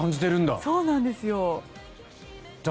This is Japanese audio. そうなんですよ。